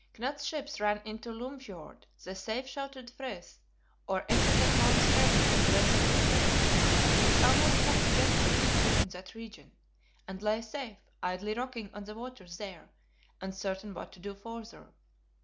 Knut's ships ran into Lymfjord, the safe sheltered frith, or intricate long straggle of friths and straits, which almost cuts Jutland in two in that region; and lay safe, idly rocking on the waters there, uncertain what to do farther.